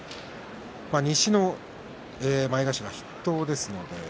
西の前頭筆頭です。